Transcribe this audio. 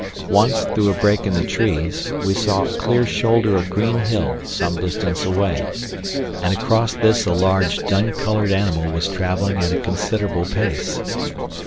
Once, through a break in the trees, we saw a clear shoulder of green hill some distance away, and across this a large dun colored animal was traveling at a considerable pace.